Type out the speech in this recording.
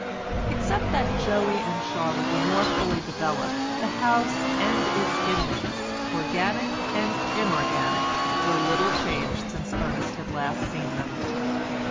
Except that Joey and Charlotte were more fully developed, the house and its inmates, organic and inorganic, were little changed since Ernest had last seen them.